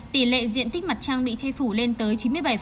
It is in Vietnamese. tỷ lệ diện tích mặt trang bị che phủ lên tới chín mươi bảy